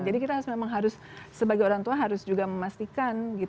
jadi kita harus memang harus sebagai orang tua harus juga memastikan gitu